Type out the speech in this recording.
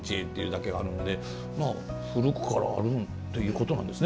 古くからあるということなんですね。